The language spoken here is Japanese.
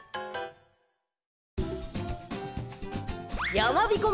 やまびこ村